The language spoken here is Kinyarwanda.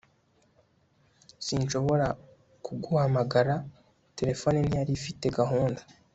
sinshobora kuguhamagara; terefone ntiyari ifite gahunda